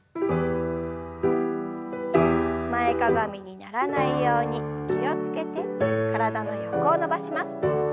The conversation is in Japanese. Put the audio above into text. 前かがみにならないように気を付けて体の横を伸ばします。